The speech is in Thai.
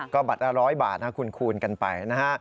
ก็บัตรละ๑๐๐บาทนะคูณกันไปนะฮะ